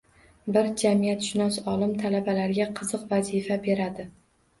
Bir jamiyatshunos olim talabalariga qiziq vazifa beradi